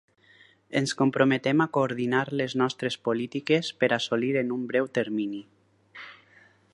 ens comprometem a coordinar les nostres polítiques per assolir en un breu termini